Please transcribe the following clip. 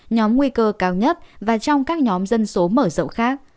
nhóm nguy cơ cao nhất và trong các nhóm dân số mở rộng khác